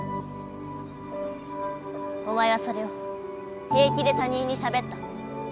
お前はそれをへい気でたにんにしゃべった。